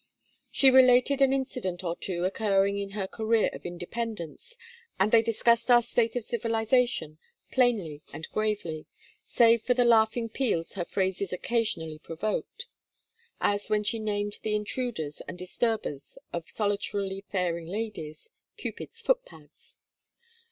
She related an incident or two occurring in her career of independence, and they discussed our state of civilization plainly and gravely, save for the laughing peals her phrases occasionally provoked; as when she named the intruders and disturbers of solitarily faring ladies, 'Cupid's footpads.'